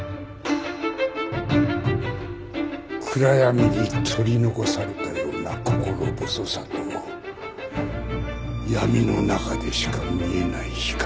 暗闇に取り残されたような心細さと闇の中でしか見えない光。